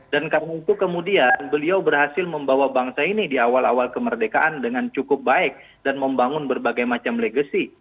dan kemudian beliau berhasil membawa bangsa ini di awal awal kemerdekaan dengan cukup baik dan membangun berbagai macam legasi